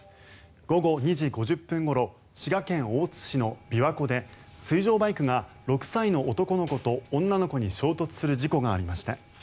午後２時５０分ごろ滋賀県大津市の琵琶湖で水上バイクが６歳の男の子と女の子に衝突する事故がありました。